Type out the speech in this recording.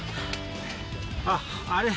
あっあれ。